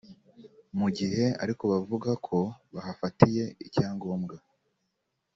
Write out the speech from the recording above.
Mu gihe ariko bavuga ko bahafatiye icyangombwa